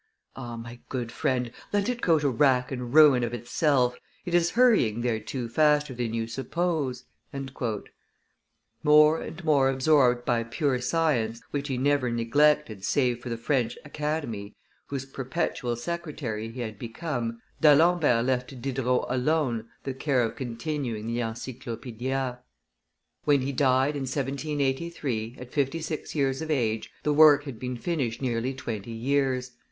"Ah! my good friend, let it go to rack and ruin of itself, it is hurrying thereto faster than you suppose." More and more absorbed by pure science, which he never neglected save for the French Academy, whose perpetual secretary he had become, D'Alembert left to Diderot alone the care of continuing the Encyclopaedia. When he died, in 1783, at fifty six years of age, the work had been finished nearly twenty years.